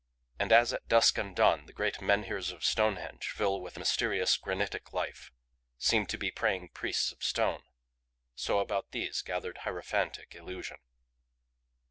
And as at dusk and dawn the great menhirs of Stonehenge fill with a mysterious, granitic life, seem to be praying priests of stone, so about these gathered hierophantic illusion.